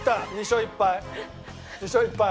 ２勝１敗。